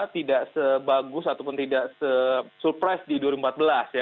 tidak sebagus ataupun tidak surprise di dua ribu empat belas ya